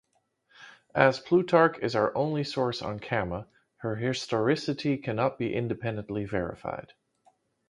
As Plutarch is our only source on Camma, her historicity cannot be independently verified.